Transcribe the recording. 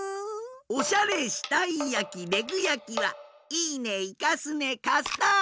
おしゃれしたいやきレグやきはいいねいかすねカスタード！